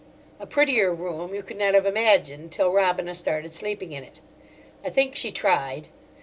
A prettier room you could not have imagined, till Robina started sleeping in it. I think she tried.